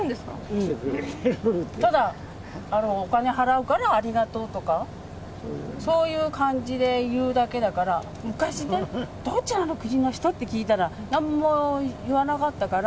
うん、ただ、お金払うから、ありがとうとか、そういう感じで言うだけだから、昔ね、どちらの国の人？って聞いたら、なんも言わなかったから。